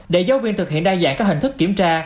để giáo viên thực hiện đa dạng các hình thức kiểm tra